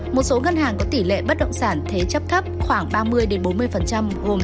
một số ngân hàng có tỷ lệ bất động sản thế chấp thấp khoảng ba mươi bốn mươi gồm